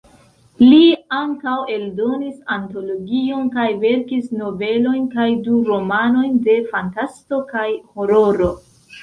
Li ankaŭ eldonis antologion kaj verkis novelojn kaj du romanojn de fantasto kaj hororo.